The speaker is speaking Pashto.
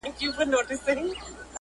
د روسي په یوه لري پرته سیمه کې